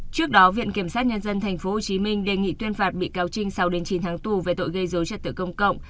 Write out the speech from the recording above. trước đó viện kiểm sát nhân dân tp hcm đề nghị tuyên phạt bị cáo trinh sau đến chín tháng tù về tội gây dối chất tự công cộng